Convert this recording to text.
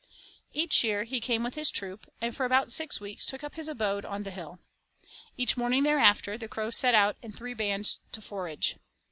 Each year he came with his troop, and for about six weeks took up his abode on the hill. Each morning thereafter the crows set out in three bands to forage.